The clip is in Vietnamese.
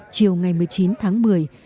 chiều ngày một mươi chín tháng một mươi